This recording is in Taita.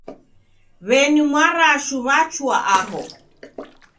W'eni Mwarashu wachua aho.